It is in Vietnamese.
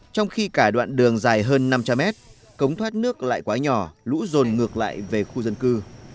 trong khi cả đoạn đường dài hơn năm trăm linh mét cống thoát nước lại quá nhỏ lũ rồn ngược lại về khu dân cư